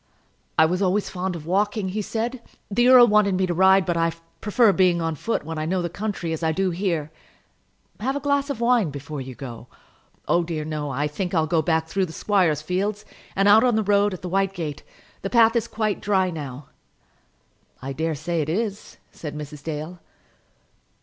"I was always fond of walking," he said. "The earl wanted me to ride, but I prefer being on foot when I know the country, as I do here." "Have a glass of wine before you go." "Oh, dear, no. I think I'll go back through the squire's fields, and out on the road at the white gate. The path is quite dry now." "I dare say it is," said Mrs. Dale.